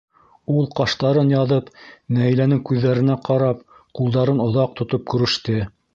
Ул, ҡаштарын яҙып, Наиләнең күҙҙәренә ҡарап, ҡулдарын оҙаҡ тотоп күреште.